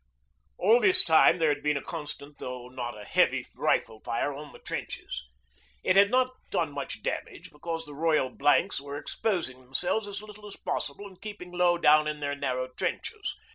All this time there had been a constant although not a heavy rifle fire on the trenches. It had not done much damage, because the Royal Blanks were exposing themselves as little as possible and keeping low down in their narrow trenches.